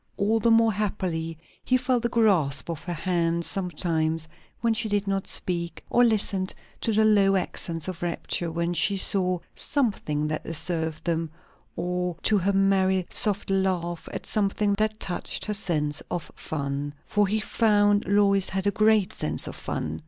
All the more happily he felt the grasp of her hand sometimes when she did not speak; or listened to the low accents of rapture when she saw something that deserved them; or to her merry soft laugh at something that touched her sense of fun. For he found Lois had a great sense of fun.